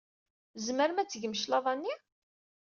Tzemrem ad d-tgem cclaḍa-nni?